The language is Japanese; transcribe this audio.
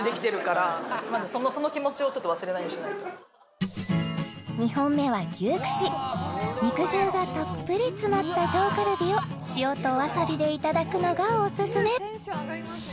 私その気持ちを忘れないようにしないと２本目は牛串肉汁がたっぷり詰まった上カルビを塩とわさびでいただくのがオススメ